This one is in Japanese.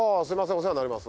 お世話になります。